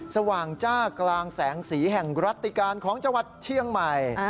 สว่างจ้ากลางแสงสีแห่งรัฐติการของจังหวัดเชียงใหม่